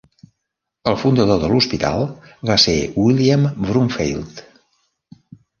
El fundador de l'hospital va ser William Bromfeild.